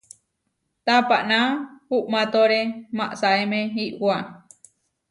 Tapaná uʼmátore maʼasáeme iʼwá.